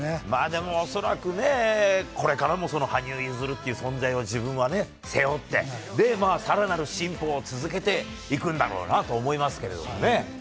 でも恐らくね、これからもその羽生結弦っていう存在を自分はね、背負って、さらなる進歩を続けていくんだろうなと思いますけれどもね。